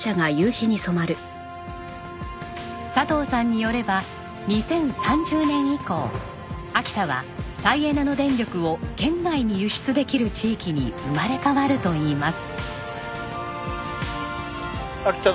佐藤さんによれば２０３０年以降秋田は再エネの電力を県外に輸出できる地域に生まれ変わるといいます。